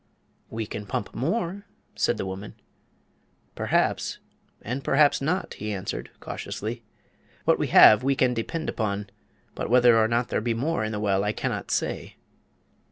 "We can pump more," said the woman. "Perhaps; and perhaps not," he answered, cautiously. "What we have we can depend upon, but whether or not there be more in the well I cannot say."